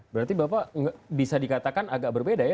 berarti bapak bisa dikatakan agak berbeda ya